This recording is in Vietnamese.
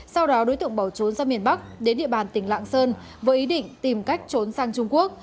sau đó đối tượng bỏ trốn ra miền bắc đến địa bàn tỉnh lạng sơn với ý định tìm cách trốn sang trung quốc